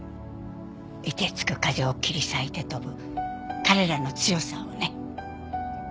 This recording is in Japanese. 凍てつく風を切り裂いて飛ぶ彼らの強さをね。